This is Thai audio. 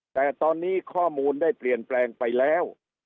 แต่ตอนนี้ข้อมูลได้เปลี่ยนแปลงไปแล้ว